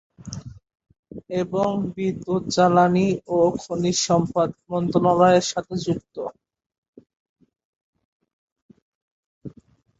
এবং বিদ্যুৎ, জ্বালানি ও খনিজ সম্পদ মন্ত্রণালয়ের সাথে যুক্ত।